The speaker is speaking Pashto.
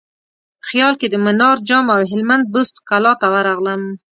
په خیال کې د منار جام او هلمند بست کلا ته ورغلم.